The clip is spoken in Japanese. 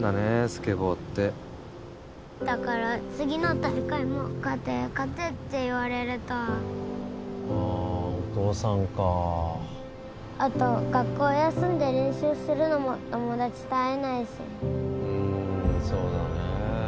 スケボーってだから次の大会も勝て勝てって言われるとああお父さんかあと学校休んで練習するのも友達と会えないしうんそうだねえ